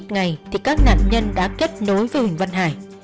ngày thì các nạn nhân đã kết nối với huỳnh văn hải